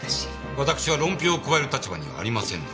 わたくしは論評を加える立場にはありませんので。